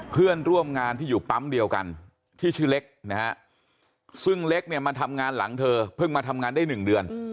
เพื่อนร่วมงานที่อยู่ปั๊มเดียวกันที่ชื่อเล็กนะฮะซึ่งเล็กเนี่ยมาทำงานหลังเธอเพิ่งมาทำงานได้๑เดือน